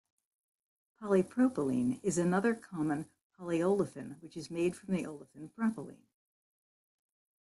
Polypropylene is another common polyolefin which is made from the olefin propylene.